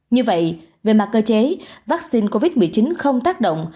như vậy về mặt cơ chế vaccine covid một mươi chín không tác động